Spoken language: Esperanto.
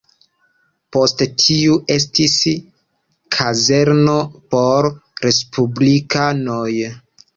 Poste tiu estis kazerno por respublikanoj.